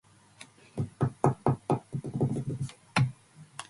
However, he never played in the World Cup.